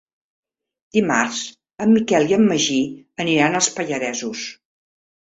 Dimarts en Miquel i en Magí aniran als Pallaresos.